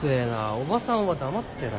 おばさんは黙ってろよ。